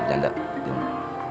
gue naik aja ke atas ya